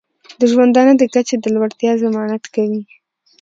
د ژوندانه د کچې د لوړتیا ضمانت کوي.